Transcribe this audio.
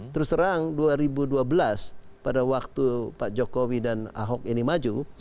terus terang dua ribu dua belas pada waktu pak jokowi dan ahok ini maju